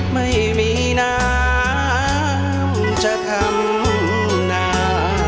ไม่มีน้ำจะทำนา